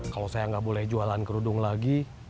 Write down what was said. kalau saya nggak boleh jualan kerudung lagi